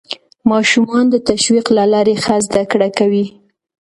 ماشومان د تشویق له لارې ښه زده کړه کوي